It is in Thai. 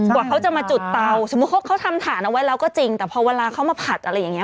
กว่าเขาจะมาจุดเตาสมมุติเขาทำฐานเอาไว้แล้วก็จริงแต่พอเวลาเขามาผัดอะไรอย่างนี้